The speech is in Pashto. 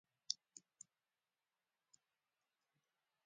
لمسی د نیا مرستې ته چمتو وي.